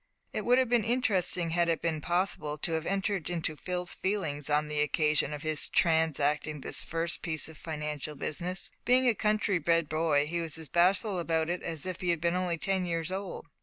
It would have been interesting, had it been possible, to have entered into Phil's feelings on the occasion of his transacting this first piece of financial business. Being a country bred boy, he was as bashful about it as if he had been only ten years old.